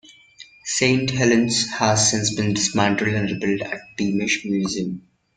Saint Helen's has since been dismantled and rebuilt at Beamish Museum.